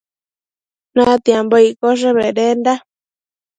Natiambo iccoshe bedenda